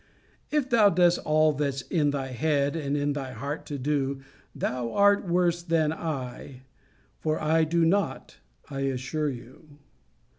If thou dost all that's in thy head and in thy heart to do, thou art worse than I; for I do not, I assure you.